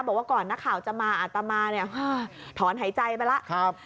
บอกว่าก่อนนักข่าวจะมาอัตมาเนี่ยถอนหายใจไปแล้ว